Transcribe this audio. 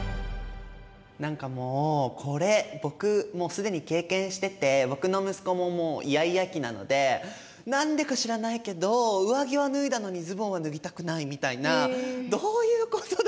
何かもうこれ僕もう既に経験してて僕の息子ももうイヤイヤ期なので何でか知らないけど上着は脱いだのにズボンは脱ぎたくないみたいな「どういうことだ！？」